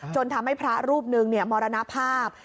ทำให้พระรูปหนึ่งมรณภาพ